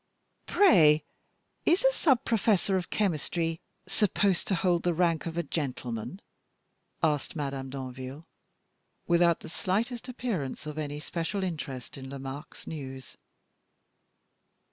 "Pray, is a sub professor of chemistry supposed to hold the rank of a gentleman?" asked Madame Danville, without the slightest appearance of any special interest in Lomaque's news.